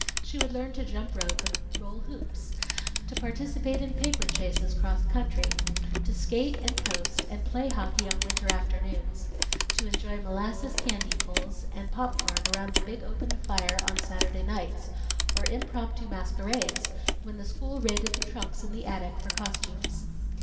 She would learn to jump rope and roll hoops; to participate in paper chases 'cross country; to skate and coast and play hockey on winter afternoons, to enjoy molasses candy pulls and popcorn around the big open fire on Saturday nights, or impromptu masquerades, when the school raided the trunks in the attic for costumes.